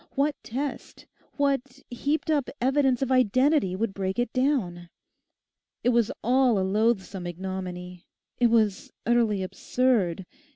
What test; what heaped up evidence of identity would break it down? It was all a loathsome ignominy. It was utterly absurd.